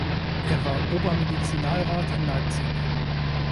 Er war Obermedizinalrat in Leipzig.